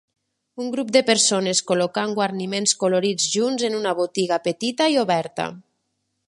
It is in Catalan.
Un grup de persones col·locant guarniments colorits junts en una botiga petita i oberta.